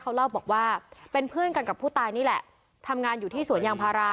เขาเล่าบอกว่าเป็นเพื่อนกันกับผู้ตายนี่แหละทำงานอยู่ที่สวนยางพารา